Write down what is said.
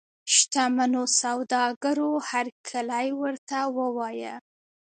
شته منو سوداګرو هرکلی ورته ووایه.